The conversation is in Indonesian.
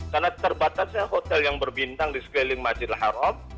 karena terbatasnya hotel yang berbintang di sekeliling majid al haram